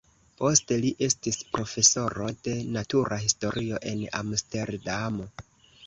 Poste li estis profesoro de natura historio en Amsterdamo.